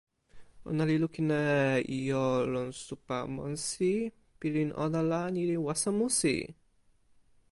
ona li lukin e ijo lon supa monsi. pilin ona la, ni li waso musi!